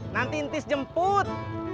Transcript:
nanti tis jemput